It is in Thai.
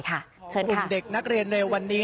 ขอบคุณเด็กนักเรียนในวันนี้